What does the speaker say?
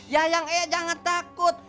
yayang eya jangan takut